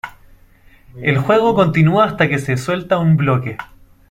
El juego continúa hasta que se suelta un bloque.